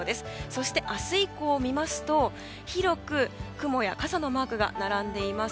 そして明日以降を見ますと広く雲や傘のマークが並んでいます。